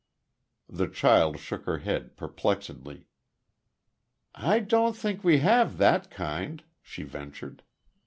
The child shook her head, perplexedly. "I don't think we have that kind," she ventured.